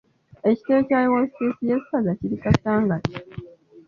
Ekitebe kya Ofiisi y'essaza kiri Kasangati.